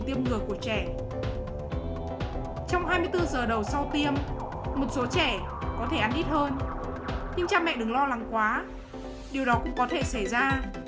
trong hai mươi bốn giờ đầu sau tiêm một số trẻ có thể ăn ít hơn nhưng cha mẹ đừng lo lắng quá điều đó cũng có thể xảy ra